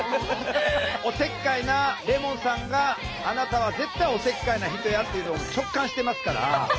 おせっかいなレモンさんがあなたは絶対おせっかいな人やっていうのを直感してますから。